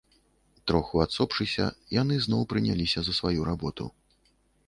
Троху адсопшыся, яны зноў прыняліся за сваю работу.